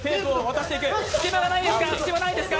隙間はないですか？